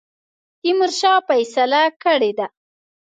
تیمورشاه فیصله کړې ده.